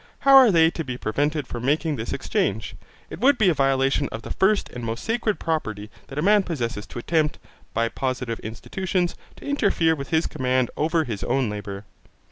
How are they to be prevented from making this exchange? it would be a violation of the first and most sacred property that a man possesses to attempt, by positive institutions, to interfere with his command over his own labour.